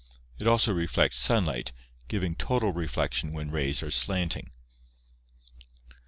It also reflects sunlight, giving total reflection when rays are slanting.